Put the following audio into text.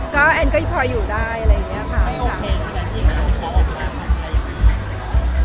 ก็แอดก็พออยู่ได้อะไรอย่างเงี้ยค่ะไม่โอเคใช่ไหมพี่ยังไม่ได้อ่านละเอียดไง